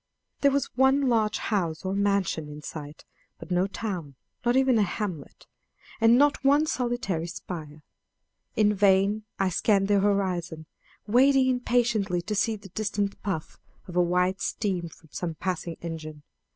There was one large house or mansion in sight, but no town, nor even a hamlet, and not one solitary spire. In vain I scanned the horizon, waiting impatiently to see the distant puff of white steam from some passing engine.